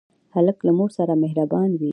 هلک له مور سره مهربان وي.